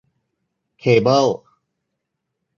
เคเบิล